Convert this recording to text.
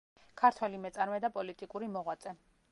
ქართველი მეწარმე და პოლიტიკური მოღვაწე.